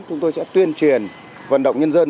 chúng tôi sẽ tuyên truyền vận động nhân dân